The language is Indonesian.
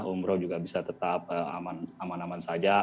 umroh juga bisa tetap aman aman saja